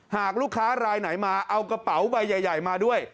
หากลูกค้ารายไหนมาเอากระเป๋าใบใหญ่มาด้วย